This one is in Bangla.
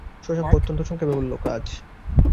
শশাঙ্ক অত্যন্ত সংক্ষেপে বললে, কাজ।